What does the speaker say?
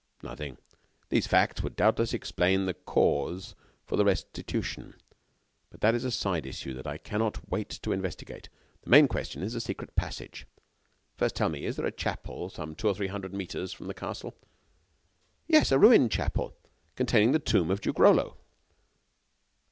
"Nothing. These facts would doubtless explain the cause for the restitution, but that is a side issue that I cannot wait to investigate. The main question is the secret passage. First, tell me, is there a chapel some two or three hundred metres from the castle?" "Yes, a ruined chapel, containing the tomb of Duke Rollo."